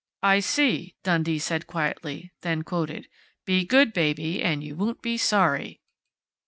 "I see," Dundee said quietly, then quoted: _"'Be good, Baby, and you won't be sorry!'"